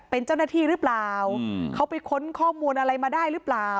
เป็นเจ้าหน้าที่หรือเปล่าเขาไปค้นข้อมูลอะไรมาได้หรือเปล่า